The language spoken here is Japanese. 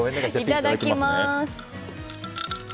いただきます。